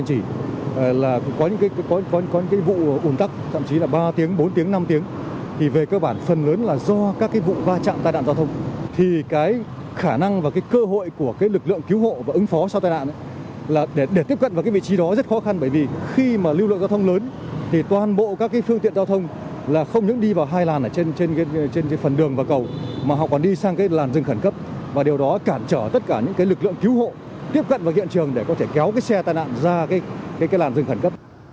thì cái khả năng và cái cơ hội của cái lực lượng cứu hộ và ứng phó sau tai nạn là để tiếp cận vào cái vị trí đó rất khó khăn bởi vì khi mà lưu lượng giao thông lớn thì toàn bộ các cái phương tiện giao thông là không những đi vào hai làn ở trên phần đường và cầu mà họ còn đi sang cái làn rừng khẩn cấp và điều đó cản trở tất cả những cái lực lượng cứu hộ tiếp cận vào hiện trường để có thể kéo cái xe tai nạn ra cái làn rừng khẩn cấp